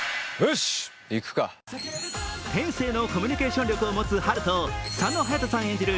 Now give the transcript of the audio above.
天性のコミュニケーション力を持つハルと、佐野勇斗さん演じる